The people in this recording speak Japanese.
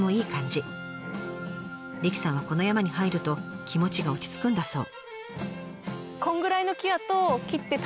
理妃さんはこの山に入ると気持ちが落ち着くんだそう。